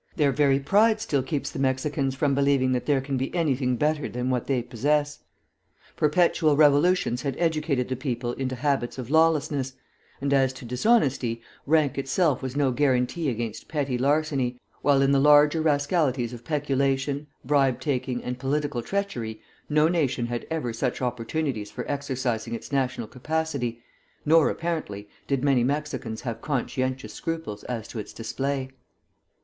Their very pride still keeps the Mexicans from believing that there can be anything better than what they possess. Perpetual revolutions had educated the people into habits of lawlessness; and as to dishonesty, rank itself was no guarantee against petty larceny, while in the larger rascalities of peculation, bribe taking, and political treachery, no nation had ever such opportunities for exercising its national capacity, nor, apparently, did many Mexicans have conscientious scruples as to its display.